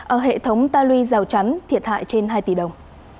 ở hệ thống ta lui rào chắn thiệt hại trên hai tỷ đồng